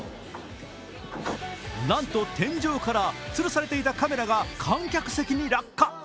なんと、天井からつるされていたカメラが観客席に落下。